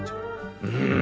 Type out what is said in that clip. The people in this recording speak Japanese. うん。